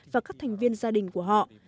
và các thành viên gia đình của họ